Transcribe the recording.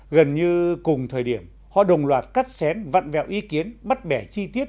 gần như cùng thời điểm họ đồng loạt cắt xén vặn vẹo ý kiến bắt bẻ chi tiết